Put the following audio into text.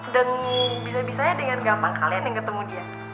dan bisa bisanya dengan gampang kalian yang ketemu dia